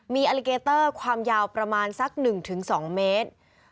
มีอลิเกเตอร์ความยาวประมาณสัก๑๒เมตร